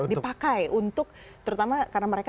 dipakai untuk terutama karena mereka